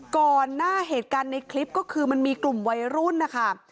ก่อนหน้าเหตุการณ์ในคลิปก็คือมันมีกลุ่มวัยรุ่นนะคะ